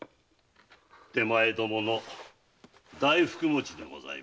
手前どもの大福もちでございます。